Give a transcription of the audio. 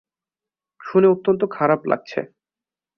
শুনে অত্যন্ত খারাপ লাগছে।